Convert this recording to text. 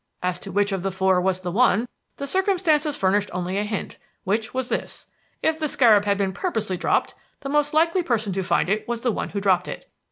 As to which of the four was the one, the circumstances furnished only a hint, which was this: If the scarab had been purposely dropped, the most likely person to find it was the one who dropped it.